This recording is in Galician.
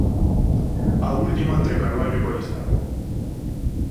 A última entre Carballo e Coristanco.